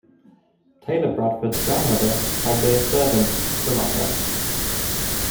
Taylor Bradford's grandmother had been a servant for the Marquess.